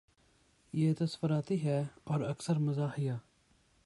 یہ تصوراتی ہے اور اکثر مزاحیہ